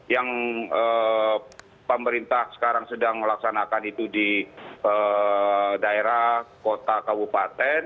yang pemerintah sekarang sedang melaksanakan itu di daerah kota kabupaten